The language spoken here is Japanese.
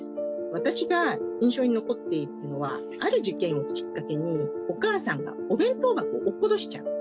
私が印象に残っているのはある事件をきっかけにお母さんがお弁当箱を落っことしちゃう。